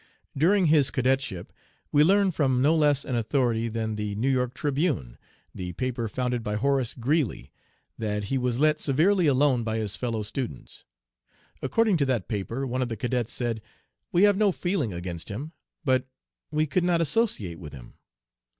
During his cadetship, we learn from no less an authority than the New York Tribune, 'the paper founded by Horace Greeley,' that he was let severely alone by his fellow students. According to that paper, one of the cadets said, 'We have no feeling against him, but we could not associate with him.